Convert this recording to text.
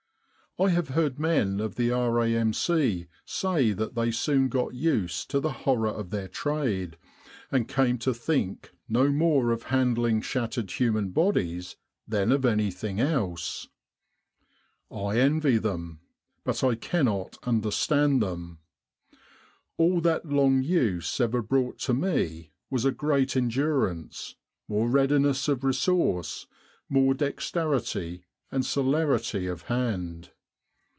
I have heard men of the R.A.M.C. say that they soon got used to the horror of their trade, and came to think no more of handling shattered human bodies than of anything else. I envy them, but cannot understand them. All that long use ever brought to me was a great endurance, more readiness of resource, more dexterity and celerity of hand.